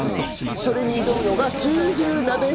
それに挑むのが。